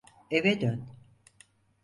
Eve dön.